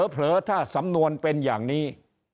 เผลอถ้าสำนวนเป็นอย่างนี้